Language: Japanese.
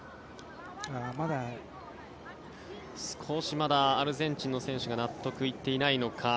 まだアルゼンチンの選手が納得いっていないのか